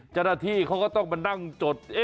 เจ้าหน้าที่เขาก็ต้องมานั่งจด